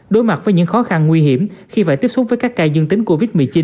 đối mặt với những khó khăn nguy hiểm khi phải tiếp xúc với các ca dương tính covid một mươi chín